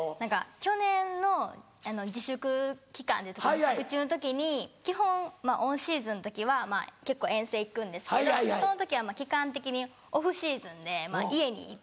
去年の自粛期間でちょっと自粛中の時に基本オンシーズンの時は結構遠征行くんですけどその時は期間的にオフシーズンで家にいて。